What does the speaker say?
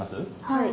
はい。